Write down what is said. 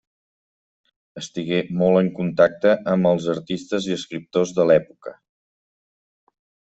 Estigué molt en contacte amb els artistes i escriptors de l'època.